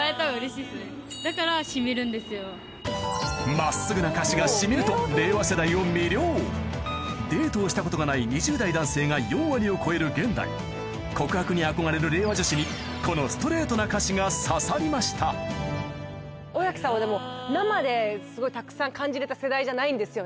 真っすぐな歌詞が染みると令和世代を魅了デートをしたことがない２０代男性が４割を超える現代告白に憧れる令和女子にこのストレートな歌詞が刺さりました尾崎さんはでも。